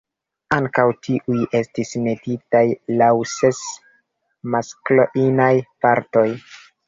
Ankaŭ tiuj estis metitaj laŭ ses maskl-inaj paroj.